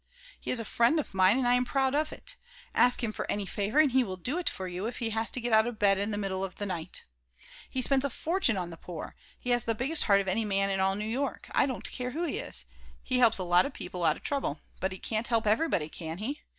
He is a friend of mine and I am proud of it. Ask him for any favor and he will do it for you if he has to get out of bed in the middle of the night. He spends a fortune on the poor. He has the biggest heart of any man in all New York, I don't care who he is. He helps a lot of people out of trouble, but he can't help everybody, can he?